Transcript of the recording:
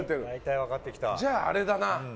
じゃああれだな。